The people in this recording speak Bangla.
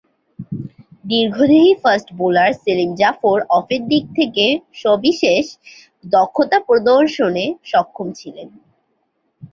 দীর্ঘদেহী ফাস্ট বোলার সেলিম জাফর অফের দিক থেকে সবিশেষ দক্ষতা প্রদর্শনে সক্ষম ছিলেন।